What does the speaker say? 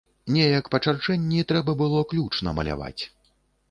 Неяк па чарчэнні трэба было ключ намаляваць.